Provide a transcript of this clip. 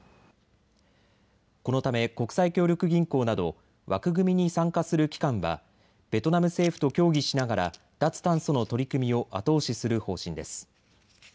このため国際協力銀行など枠組みに参加する機関はベトナム政府と協議しながら脱炭素の取り組みを後押しする方針です。